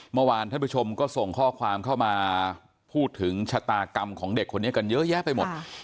เมื่อวานท่านผู้ชมก็ส่งข้อความเข้ามาพูดถึงชะตากรรมของเด็กคนนี้กันเยอะแยะไปหมด